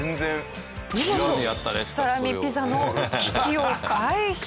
見事サラミピザの危機を回避。